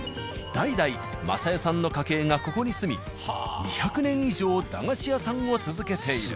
代々雅代さんの家系がここに住み２００年以上駄菓子屋さんを続けている。